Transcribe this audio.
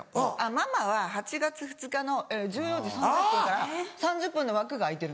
「ママは８月２日の１４時３０分から３０分の枠が空いてる」